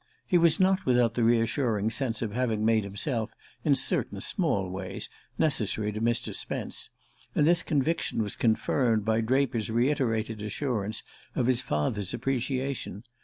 He was not without the reassuring sense of having made himself, in certain small ways, necessary to Mr. Spence; and this conviction was confirmed by Draper's reiterated assurance of his father's appreciation.